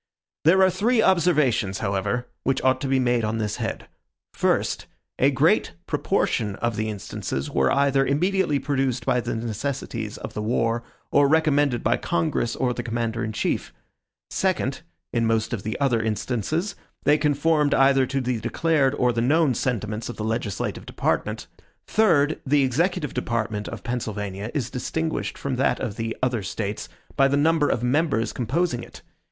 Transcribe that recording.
There are three observations, however, which ought to be made on this head: FIRST, a great proportion of the instances were either immediately produced by the necessities of the war, or recommended by Congress or the commander in chief; SECOND, in most of the other instances, they conformed either to the declared or the known sentiments of the legislative department; THIRD, the executive department of Pennsylvania is distinguished from that of the other States by the number of members composing it.